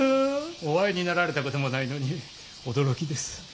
お会いになられたこともないのに驚きです。